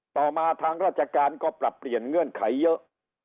ต่อมาทางราชการก็ปรับเปลี่ยนเงื่อนไขเยอะ